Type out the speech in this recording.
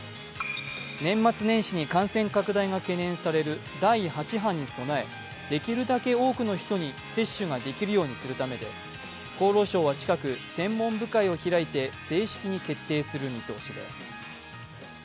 年末年始に感染拡大が懸念される第８波に備えできるだけ多くの人に接種ができるようにするためで厚労省は近く専門部会を開いて正式に決定する見通しです。